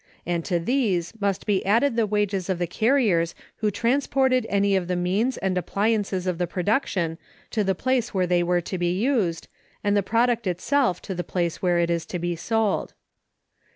And to these must be added the wages of the carriers who transported any of the means and appliances of the production to the place where they were to be used, and the product itself to the place where it is to be sold.